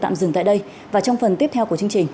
tạm dừng tại đây và trong phần tiếp theo của chương trình